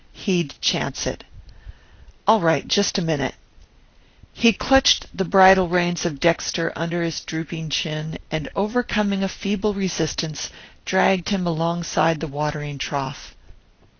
He'd chance it. "All right; just a minute." He clutched the bridle reins of Dexter under his drooping chin, and overcoming a feeble resistance dragged him alongside the watering trough.